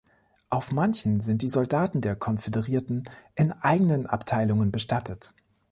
Auf manchen sind die Soldaten der Konföderierten in eigenen Abteilungen bestattet.